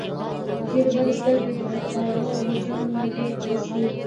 ډېر بد سترګی یې، دا کاوور هوټل نه دی که څنګه؟